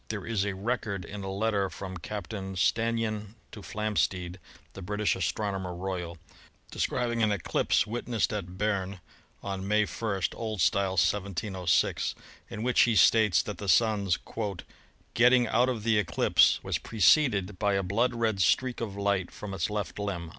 There is a record in a letter from Captain Stannyan to Flamsteed, the British Astronomer Royal, describing an eclipse wit nessed at Berne on May 1 (O. S.), 1706, in which he states that the Sun's "getting out of the eclipse was preceded by a blood red streak of light from its left limb."